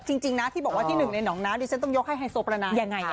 จริงนะที่บอกว่าที่หนึ่งในหนองน้ำดิฉันต้องยกให้ไฮโซประนายังไง